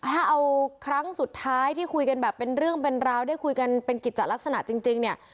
ถ้าเอาครั้งสุดท้ายที่คุยกันแบบเป็นเรื่องเป็นราวได้คุยกันเป็นกิจลักษณะจริงเนี่ย